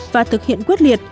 và thực hiện quyết liệt